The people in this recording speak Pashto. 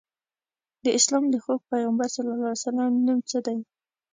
د اسلام د خوږ پیغمبر ص نوم څه دی؟